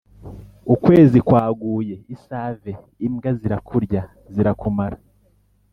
ukwezi kwaguye i save imbwa ziràkurya- zirakumara